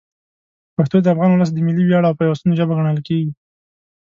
پښتو د افغان ولس د ملي ویاړ او پیوستون ژبه ګڼل کېږي.